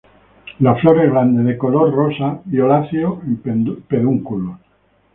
Las flores, grandes de color rosa violáceo en pedúnculos.